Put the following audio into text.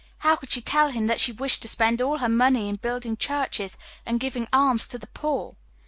How could she tell him that she wished to spend all her money in building churches and giving alms to the poor?